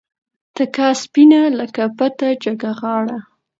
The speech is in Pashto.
تکه سپینه لکه بته جګه غاړه